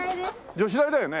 女子大だよね。